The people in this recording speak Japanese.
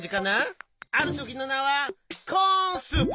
あるときのなはコーンスープ。